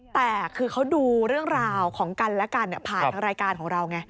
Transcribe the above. แต่คือเขาดูเรื่องราวของกันและกันผ่านทางรายการของเราไง